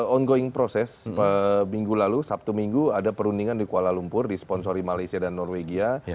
ongoing proses minggu lalu sabtu minggu ada perundingan di kuala lumpur di sponsori malaysia dan norwegia